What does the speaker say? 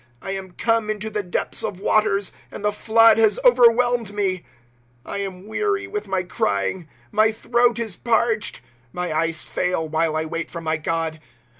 I am come into the depths of waters, And the flood has overwhelmed me. ^ I am weary with my crying, my throat is parched ; My eyes fail, while I wait for my God.